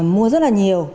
mua rất là nhiều